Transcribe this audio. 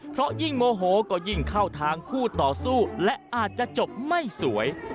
เพราะยิ่งโมโหก็ยิ่งเข้าทางคู่ต่อสู้และอาจจะจบไม่สวย